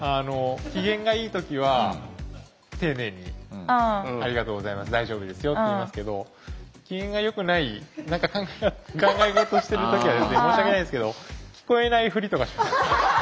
機嫌がいい時は丁寧に「ありがとうございます大丈夫ですよ」って言いますけど機嫌がよくない何か考え事してる時は申し訳ないですけど聞こえないふりとかします。